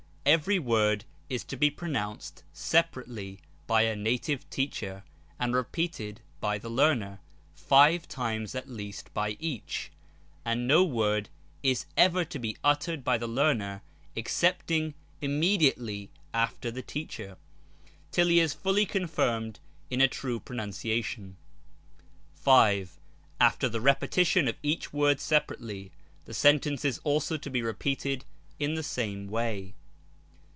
Every word is to be pronounced separately by a native teacher, and repeated by the learner, five times at least by each, and no word is ever to be uttered by the learner, excepting immediately after the teacher, till he is fully confirmed in a true pronunciation. 5. After the repetition of each word separately, the sentence is also to be repeated in the same way.